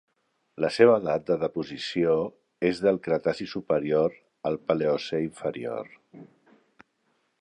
La seva edat de deposició és del Cretaci superior al Paleocè inferior.